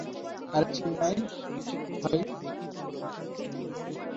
আরে চেন্নাইর, ভাই!